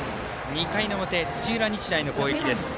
２回の表、土浦日大の攻撃です。